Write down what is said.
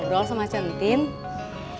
yang lainnya kembali kalau kali ini